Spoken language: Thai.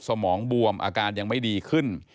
สมองบวมอาการยังไม่ดีขึ้น